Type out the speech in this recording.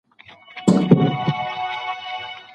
دا غڼې يوه زهرجنه خزنده ده .